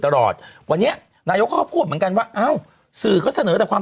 ตลอดวันนี้นายกเขาก็พูดเหมือนกันว่าอ้าวสื่อเขาเสนอแต่ความ